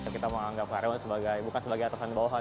kita menganggap karyawan sebagai bukan sebagai atasan bawahan